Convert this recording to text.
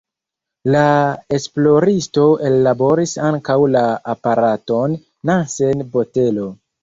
La esploristo ellaboris ankaŭ la aparaton Nansen-botelo.